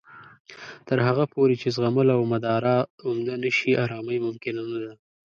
تر هغه پورې چې زغمل او مدارا عمده نه شي، ارامۍ ممکنه نه ده